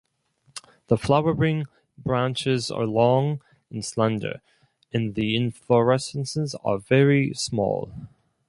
The flowering branches are long and slender and the inflorescences are very small.